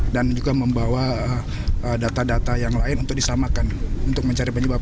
dan juga membawa data data yang lain untuk disamakan untuk mencari penyebab